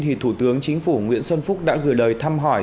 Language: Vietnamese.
thì thủ tướng chính phủ nguyễn xuân phúc đã gửi lời thăm hỏi